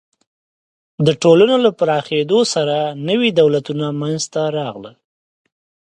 د ټولنو له پراخېدو سره نوي دولتونه منځ ته راغلل.